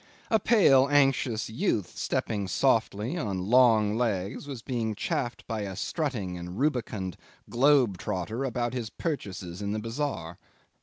A pale anxious youth stepping softly on long legs was being chaffed by a strutting and rubicund globe trotter about his purchases in the bazaar.